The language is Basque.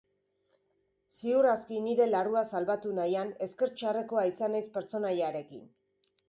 Ziur aski, nire larrua salbatu nahian, esker txarrekoa izan naiz pertsonaiarekin.